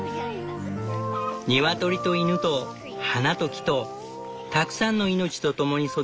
ニワトリと犬と花と木とたくさんのいのちと共に育つテューダー